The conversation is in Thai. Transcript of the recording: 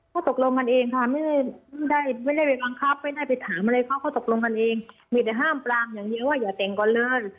ก็ตกลงกันเองค่ะไม่ได้ไม่ได้ไปบังคับไม่ได้ไปถามอะไรเขาก็ตกลงกันเองมีแต่ห้ามปรามอย่างเดียวว่าอย่าแต่งก่อนเลย